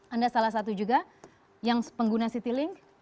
anda salah satu juga yang pengguna citylink